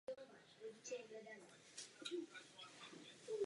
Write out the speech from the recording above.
Turecko má kromě toho i velký hospodářský potenciál.